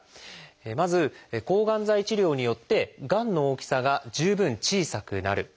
まず抗がん剤治療によってがんの大きさが十分小さくなる。